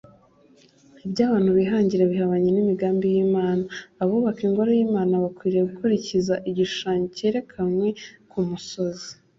ibyo abantu bihangira bihabanye n’imigambi y’imana abubaka ingoro y’imana bakwiriye gukurikiza igishushanyo cyerekanwe ku musozi,